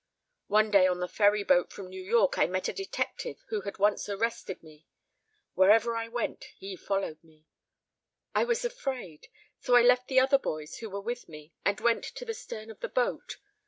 One day on the ferryboat from New York I met a detective who had once arrested me. Wherever I went he followed me. I was afraid, so I left the other boys who were with me and went to the stern of the boat.